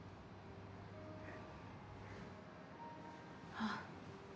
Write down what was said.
あっ。